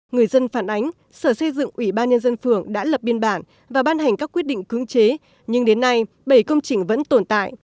người dân phản ánh sở xây dựng ủy ban nhân dân phường đã lập biên bản và ban hành các quyết định cưỡng chế nhưng đến nay bảy công trình vẫn tồn tại